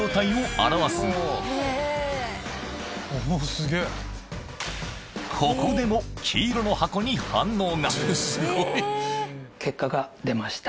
さらにここでも黄色の箱に反応が結果が出ました。